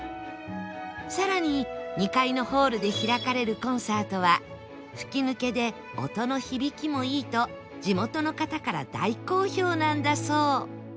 更に２階のホールで開かれるコンサートは吹き抜けで音の響きもいいと地元の方から大好評なんだそう